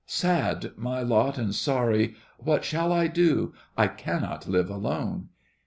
Sad my lot and sorry, What shall I do? I cannot live alone!